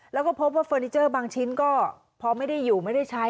แล้วก็พบว่าเฟอร์นิเจอร์บางชิ้นก็พอไม่ได้อยู่ไม่ได้ใช้